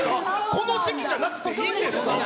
この席じゃなくていいんですか？